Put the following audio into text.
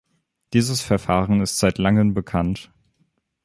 Dieses Verfahren ist seit langem bekannt.